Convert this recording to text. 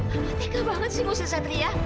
amat tega banget sih nusantara